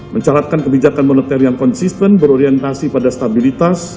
mencaratkan kebijakan moneter yang konsisten berorientasi pada stabilitas